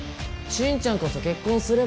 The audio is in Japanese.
心ちゃんこそ結婚すれば？